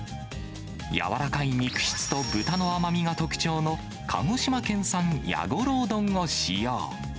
軟らかい肉質と豚の甘みが特徴の、鹿児島県産やごろう豚を使用。